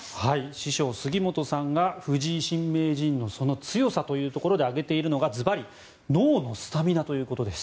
師匠・杉本さんが藤井新名人のその強さというところで挙げているのが、ずばり脳のスタミナということです。